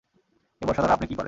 এ বর্শা দ্বারা আপনি কি করেন?